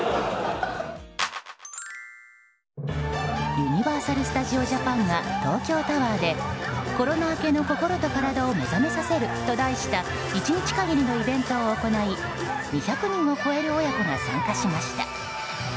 ユニバーサル・スタジオ・ジャパンが東京タワーで、コロナ明けの心と体を目覚めさせると題した１日限りのイベントを行い２００人を超える親子が参加しました。